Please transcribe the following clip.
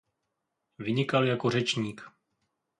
Vynikal jako řečník.